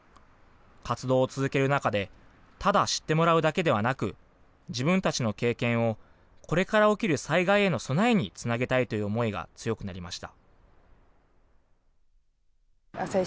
活動を続ける中で、ただ知ってもらうだけではなく、自分たちの経験をこれから起きる災害への備えにつなげたいという思いが強くなりました。